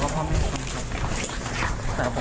ขอโทษจับพี่พิมแล้วก็มา